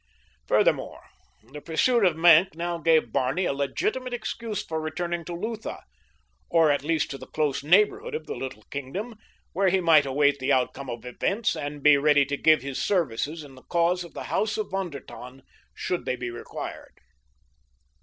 Furthermore, the pursuit of Maenck now gave Barney a legitimate excuse for returning to Lutha, or at least to the close neighborhood of the little kingdom, where he might await the outcome of events and be ready to give his services in the cause of the house of Von der Tann should they be required.